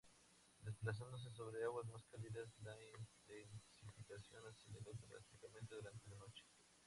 Desplazándose sobre aguas más cálidas, la intensificación aceleró drásticamente durante la noche.